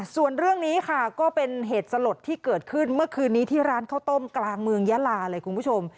ส่วนเรื่องนี้ค่ะก็เป็นเหตุสลดที่เกิดขึ้นเมื่อคืนนี้ที่ร้านข้าวต้มกลางเมืองยาลาเลยคุณผู้ชม